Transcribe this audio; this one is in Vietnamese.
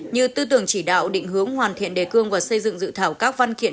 như tư tưởng chỉ đạo định hướng hoàn thiện đề cương và xây dựng dự thảo các văn kiện